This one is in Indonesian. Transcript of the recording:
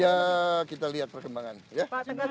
ya kita lihat perkembangan ya